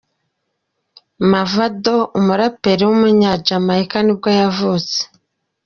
Mavado, umuraperi w’umunya-Jamaica nibwo yavutse.